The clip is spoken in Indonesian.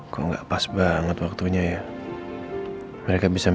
kok nggak pas banget waktunya ya